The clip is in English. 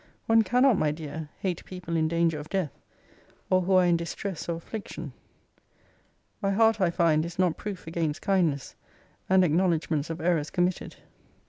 One cannot, my dear, hate people in danger of death, or who are in distress or affliction. My heart, I find, is not proof against kindness, and acknowledgements of errors committed.